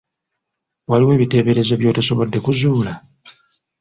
Waliwo ebiteeberezo by'otasobodde kuzuula?